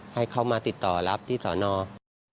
ให้เขามาติดต่อรับที่สอนอ